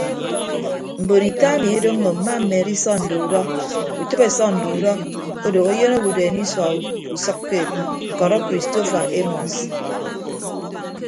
Mbon ita ami edoñño mma mmedi sọnde udọ utịbe sọnde udọ odooho eyịn owodeen isua usʌkkeed ñkọrọ kristofa emọs.